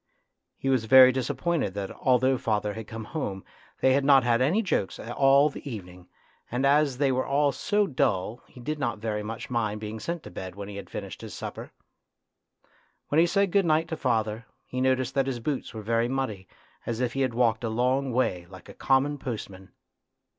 He was very disappointed that although father had come home they had A TRAGEDY IN LITTLE 99 not had any jokes all the evening, and as they were all so dull he did not very much mind being sent to bed when he had finished his supper. When he said good night to father, he noticed that his boots were very muddy, as if he had walked a long way like a common postman.